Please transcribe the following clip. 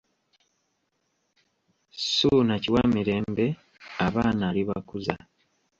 Ssuuna Kiwamirembe Abaana alibakuza.